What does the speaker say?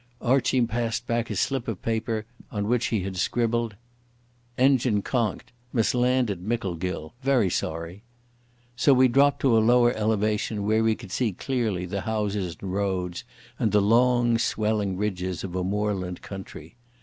Archie passed back a slip of paper on which he had scribbled: "Engine conked. Must land at Micklegill. Very sorry." So we dropped to a lower elevation where we could see clearly the houses and roads and the long swelling ridges of a moorland country.